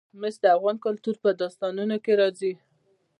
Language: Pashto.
مس د افغان کلتور په داستانونو کې راځي.